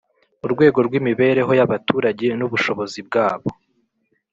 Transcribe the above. urwego rw'imibereho y'abaturage n'ubushobozi bwabo